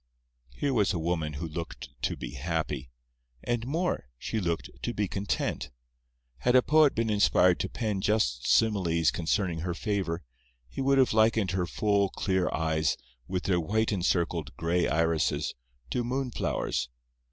Here was a woman who looked to be happy. And more—she looked to be content. Had a poet been inspired to pen just similes concerning her favour, he would have likened her full, clear eyes, with their white encircled, gray irises, to moonflowers.